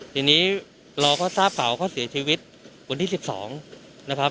ทีนี้เราก็ทราบข่าวว่าเขาเสียชีวิตวันที่๑๒นะครับ